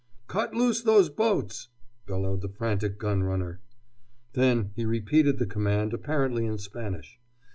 "Cut loose those boats!" bellowed the frantic gun runner. Then he repeated the command, apparently in Spanish.